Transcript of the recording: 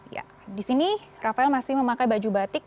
ya di sini rafael masih memakai baju batik